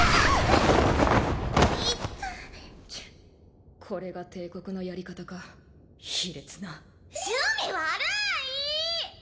いったぁチッこれが帝国のやり方か卑劣な趣味悪い！